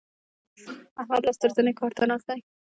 احمد لاس تر زنې کار ته ناست دی.